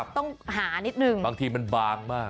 ต้องหานิดนึงบางทีมันบางมาก